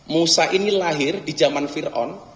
musa ini lahir di zaman fir aun